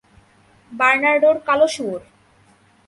বার্নার্ডোর কালো শুয়োর।